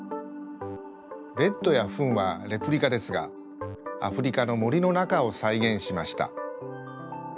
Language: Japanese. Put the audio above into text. ベッドやフンはレプリカですがアフリカのもりのなかをさいげんしました。